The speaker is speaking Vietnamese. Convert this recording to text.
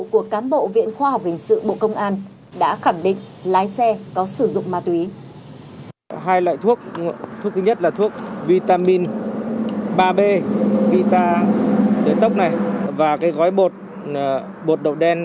của cán bộ viện khoa học hình sự bộ công an